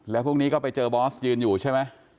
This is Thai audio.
แล้วพวกนี้ก็ไปเจอบอสยืนอยู่ใช่ไหม